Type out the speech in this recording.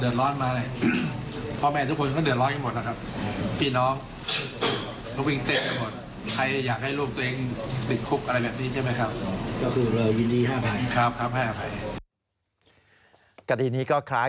นี่แหละคือมันเหมือนกับว่าผู้ที่กระทำผิดก็หงายการอารมณ์ชั่ววูฟตลอดเลย